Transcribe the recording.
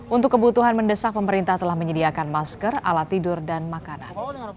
untuk kebutuhan mendesak pemerintah telah menyediakan masker alat tidur dan makanan